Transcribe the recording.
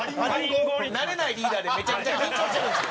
慣れないリーダーでめちゃくちゃ緊張してるんですよ。